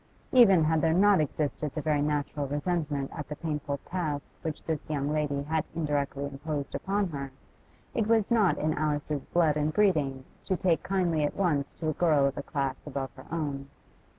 Even had there not existed the very natural resentment at the painful task which this young lady had indirectly imposed upon her, it was not in Alice's blood and breeding to take kindly at once to a girl of a class above her own.